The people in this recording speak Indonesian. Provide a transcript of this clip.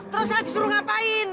terus aja suruh ngapain